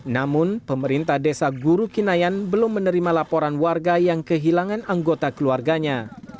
namun pemerintah desa guru kinayan belum menerima laporan warga yang kehilangan anggota keluarganya